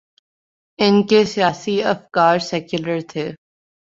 ان کے سیاسی افکار سیکولر تھے۔